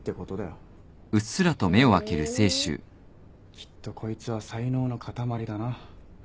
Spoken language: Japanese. きっとこいつは才能のかたまりだな。